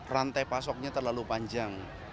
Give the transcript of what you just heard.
rantai pasoknya terlalu panjang